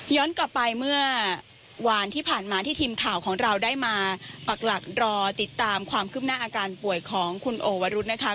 กลับไปเมื่อวานที่ผ่านมาที่ทีมข่าวของเราได้มาปักหลักรอติดตามความคืบหน้าอาการป่วยของคุณโอวรุธนะคะ